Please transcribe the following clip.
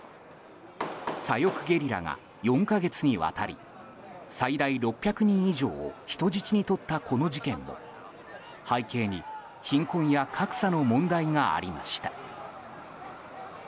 左翼ゲリラが４か月にわたり最大６００人以上を人質にとったこの事件も背景に、貧困や格差の問題がありました。